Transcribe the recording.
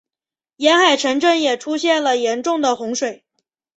沿海城镇也出现了严重的洪水。